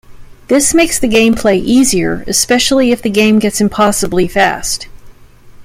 This makes the gameplay easier, especially if the game gets impossibly fast.